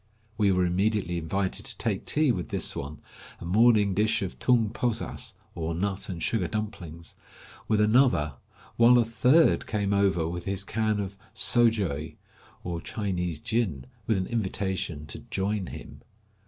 We were immediately invited to take tea with this one, a morning dish of tung posas, or nut and sugar dumplings, with another, while a third came over with his can of sojeu, or Chinese gin, with an invitation "to join him."